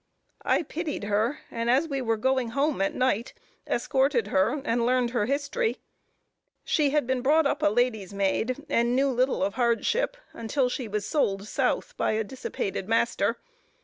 I pitied her, and as we were going home at night escorted her and learned her history. She had been brought up a lady's maid, and knew little of hardship until she was sold South by a dissipated master.